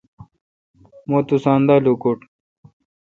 مہ توسان دا لوکٹ۔